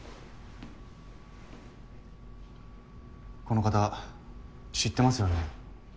この方知ってますよね？